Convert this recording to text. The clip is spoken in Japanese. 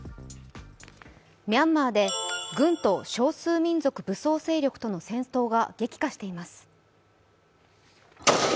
ミャンマーで軍と少数民族武装勢力との戦闘が激化しています。